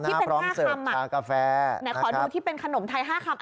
ที่เป็น๕คำไหนขอดูที่เป็นขนมไทย๕คำ